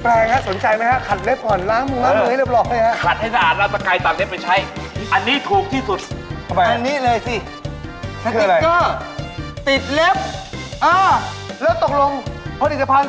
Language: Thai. แปลงฮะสนใจมั้ยฮะขัดเล็บก่อนล้างมือให้เรียบร้อยนะฮะ